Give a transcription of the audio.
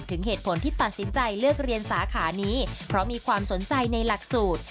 เหตุผลที่ตัดสินใจเลือกเรียนสาขานี้เพราะมีความสนใจในหลักสูตร